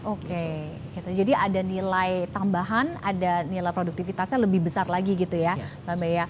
oke jadi ada nilai tambahan ada nilai produktivitasnya lebih besar lagi gitu ya mbak beya